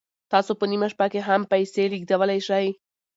تاسو په نیمه شپه کې هم پیسې لیږدولی شئ.